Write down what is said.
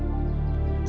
saya sudah merepotkan